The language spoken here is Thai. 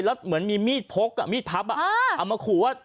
แล้วเหมือนมีมีดพกมีดพับเอามาขู่ว่า